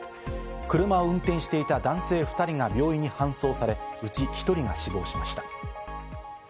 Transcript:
車を運転していた男性２人が病院に搬送され、うち１人が死亡しました。